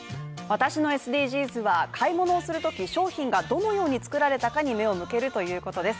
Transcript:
私のＳＤＧｓは買い物をするときどのように作られたかに目を向けるということです。